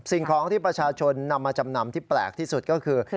สิ่งของที่ประชาชนนำมาจำนำที่แปลกที่สุดก็คือ